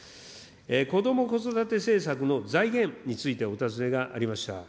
こども・子育て政策の財源についてお尋ねがありました。